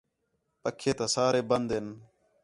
پکّھے تا سارے بند ہین